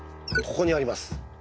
ここにあります。